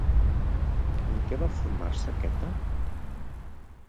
En què va formar-se Queta?